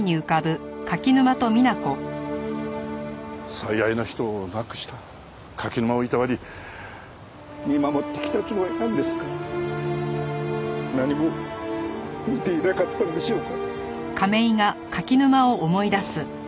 最愛の人を亡くした柿沼を労り見守ってきたつもりなんですが何も見ていなかったんでしょうか。